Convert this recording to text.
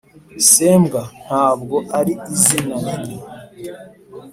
sembwa ntabwo ari izina ribi